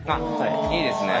いいですね。